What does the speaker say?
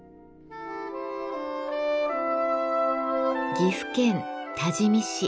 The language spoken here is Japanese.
岐阜県多治見市。